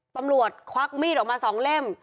ปำรวจควักมีดออกมา๒เล่ม